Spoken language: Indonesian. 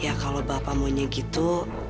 ya kalau bapak maunya gitu